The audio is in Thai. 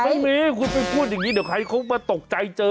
ไม่มีคุณไปพูดอย่างนี้เดี๋ยวใครเขามาตกใจเจอ